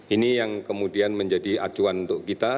ini yang kemudian menjadi acuan untuk kita